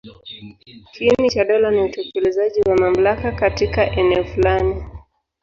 Kiini cha dola ni utekelezaji wa mamlaka katika eneo fulani.